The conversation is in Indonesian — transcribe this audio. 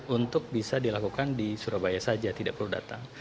untuk bisa dilakukan di surabaya saja tidak perlu datang